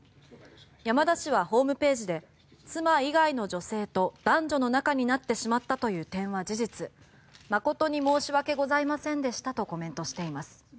山田氏はホームページで妻以外の女性と男女の仲になってしまったという点は事実誠に申し訳ございませんでしたとコメントしています。